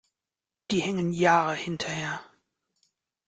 Die hängen Jahre hinterher.